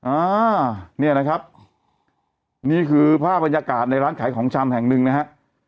อ่าเนี่ยนะครับนี่คือภาพบรรยากาศในร้านขายของชำแห่งหนึ่งนะฮะ